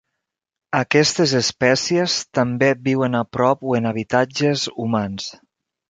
Aquestes espècies també viuen a prop o en habitatges humans.